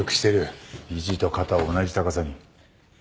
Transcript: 肘と肩を同じ高さに。